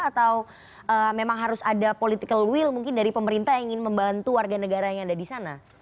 atau memang harus ada political will mungkin dari pemerintah yang ingin membantu warga negara yang ada di sana